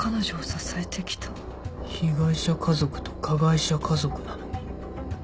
被害者家族と加害者家族なのに。